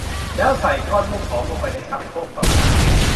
แล้วใส่ก้อนลูกหอมลงไปในชักโครกประมาณ